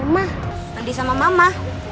mandi sama mama